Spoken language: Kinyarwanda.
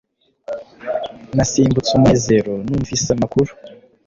Nasimbutse umunezero numvise amakuru